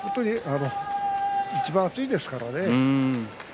いちばん暑いですからね。